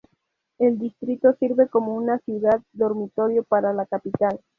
El distrito sirve como una ciudad dormitorio para la capital.